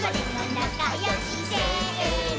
「なかよし」「せーの」